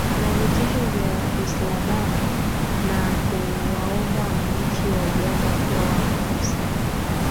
na vitisho vya alshabab na kuwaomba wananchi wa uganda kuwa waangalifu sana